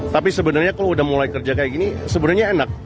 tapi sebenarnya kalau udah mulai kerja kayak gini sebenarnya enak